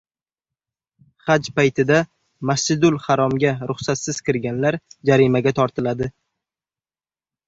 Haj paytida Masjidul haromga ruxsatsiz kirganlar jarimaga tortiladi